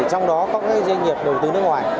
trong đó có các doanh nghiệp đầu tư nước ngoài